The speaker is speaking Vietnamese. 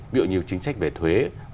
ví dụ như chính sách về thuế